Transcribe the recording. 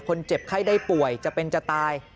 เจ็บไข้ได้ป่วยจะเป็นจะตาย